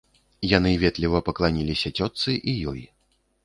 Яны ветліва пакланіліся цётцы і ёй.